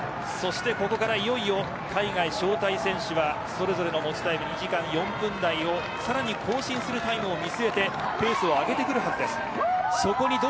ここからいよいよ海外招待選手はそれぞれの持ちタイム２時間４分台をさらに更新するタイムを見据えてペースを上げてくる時間です。